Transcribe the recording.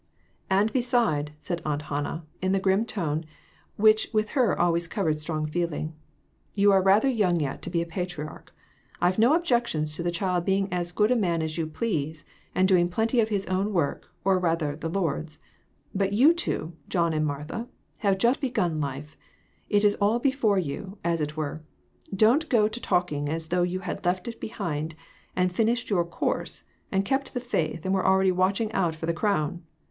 "And beside," said Aunt Hannah, in the grim tone which with her always covered strong feeling, "you are rather young yet to be a patriarch; I've no objections to the child being as good a man as you please, and doing plenty of his own work, or rather the Lord's ; but you two, John and Martha, have just begun life; it is all before you, as it were ; don't go to talking as though you had left it behind, and had finished your course, and kept the faith, and were already watching out for the crown.